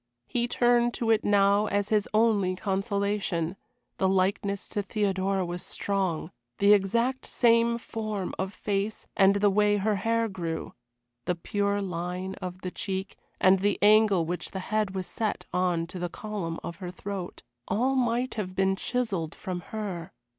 He turned to it now as his only consolation; the likeness to Theodora was strong; the exact same form of face, and the way her hair grew; the pure line of the cheek, and the angle which the head was set on to the column of her throat all might have been chiselled from her.